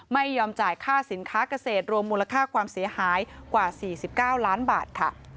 ไม่ยอมจ่ายค่าสินค้าเกษตรรวมมูลค่าความเสียหายกว่า๔๙ล้านบาทค่ะ